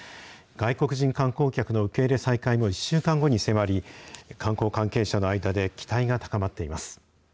外国人観光客の受け入れ再開も１週間後に迫り、観光関係者の間で、期待が高まっています。